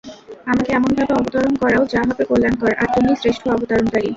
আমাকে এমনভাবে অবতরণ করাও যা হবে কল্যাণকর, আর তুমিই শ্রেষ্ঠ অবতারণকারী।